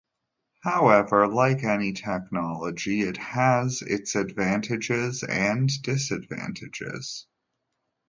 However, like any technology, it has its advantages and disadvantages.